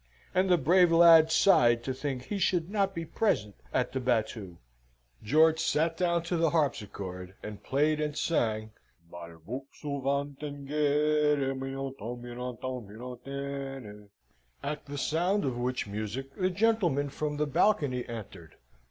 and the brave lad sighed to think he should not be present at the battue. George sate down to the harpsichord and played and sang "Malbrouk s'en va t en guerre, Mironton, mironton, mirontaine," at the sound of which music the gentleman from the balcony entered.